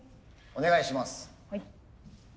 お願いします。